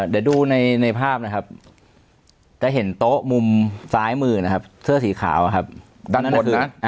เดี๋ยวดูในภาพนะครับจะเห็นโต๊ะมุมซ้ายมือนะครับเสื้อสีขาวครับด้านบนนะ